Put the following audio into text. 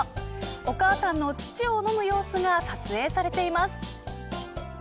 お母さんの乳を飲む様子が撮影されています。